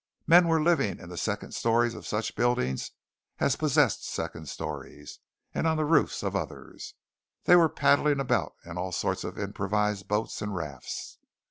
Men were living in the second stories of such buildings as possessed second stories, and on the roofs of others. They were paddling about in all sorts of improvised boats and rafts.